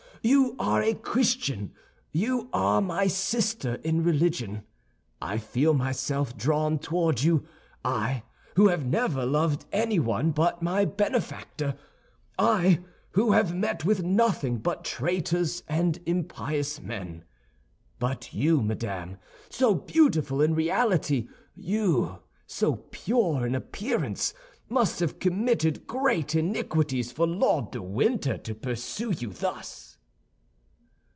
You are a Christian; you are my sister in religion. I feel myself drawn toward you—I, who have never loved anyone but my benefactor—I who have met with nothing but traitors and impious men. But you, madame, so beautiful in reality, you, so pure in appearance, must have committed great iniquities for Lord de Winter to pursue you thus."